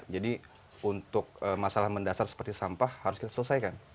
jadi untuk masalah mendasar seperti sampah harus kita selesaikan